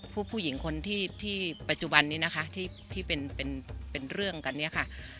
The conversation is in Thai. ผู้หญิงคนที่ปัจจุบันนี้นะคะที่เป็นเรื่องกันเนี่ยค่ะ